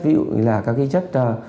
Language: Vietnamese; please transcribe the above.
ví dụ như là các chất